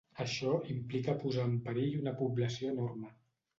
Això implica posar en perill una població enorme.